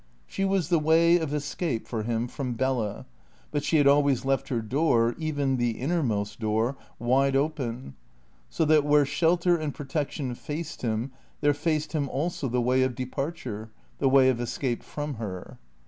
She was the way of escape for him from Bella; but she had always left her door, even the innermost door, wide open; so that where shelter and protection faced him there faced him also the way of departure, the way of escape from her.